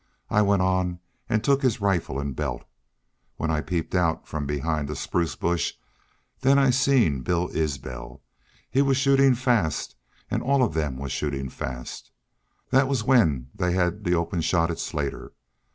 I went on an' took his rifle an' belt. When I peeped out from behind a spruce bush then I seen Bill Isbel. He was shootin' fast, an' all of them was shootin' fast. That war, when they had the open shot at Slater....